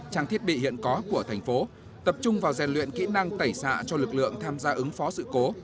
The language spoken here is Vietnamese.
trang thiết bị hiện có của thành phố tập trung vào rèn luyện kỹ năng tẩy xạ cho lực lượng tham gia ứng phó sự cố